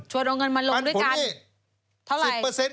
เอาเงินมาลงด้วยกันเท่าไหร่